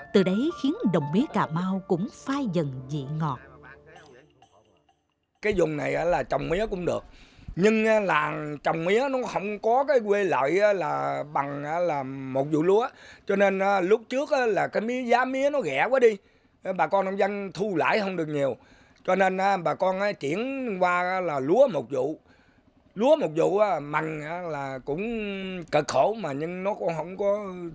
từ đấy khiến đồng mía cà mau cũng phai dần dị ngọt